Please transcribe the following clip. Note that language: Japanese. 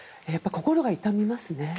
心が痛みますね。